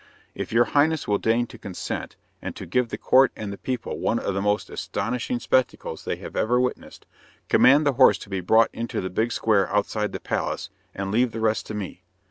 If your Highness will deign to consent, and to give the court and the people one of the most astonishing spectacles they have ever witnessed, command the horse to be brought into the big square outside the palace, and leave the rest to me.